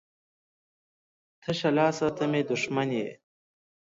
تشه لاسه ته مې دښمن یې